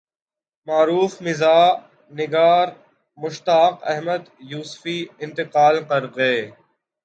معروف مزاح نگار مشتاق احمد یوسفی انتقال کرگئے